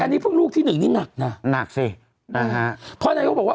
อันนี้เพิ่งลูกที่หนึ่งนี่หนักน่ะหนักสิอ่าฮะเพราะฉะนั้นเขาบอกว่า